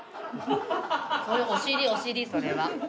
それお尻お尻それは。